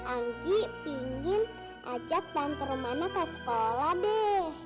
anggi pingin ajak tante rumana ke sekolah deh